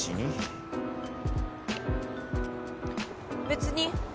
別に。